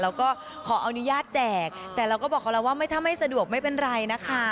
แล้วก็ขออนุญาตแจกแต่เราก็บอกเขาแล้วว่าถ้าไม่สะดวกไม่เป็นไรนะคะ